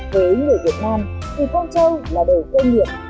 với người việt nam thì con trâu là đời cây nghiệp